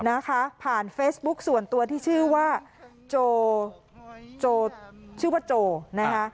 นะคะผ่านเฟซบุ๊คส่วนตัวที่ชื่อว่าโจโจชื่อว่าโจนะคะ